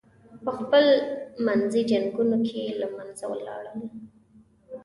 پخپل منځي جنګونو کې له منځه ولاړل.